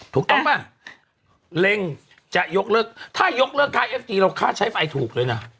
ถูกต้องป่ะเร่งจะยกเลิกถ้ายกเลิกค่าเอฟทีเราค่าใช้ไฟถูกเลยนะ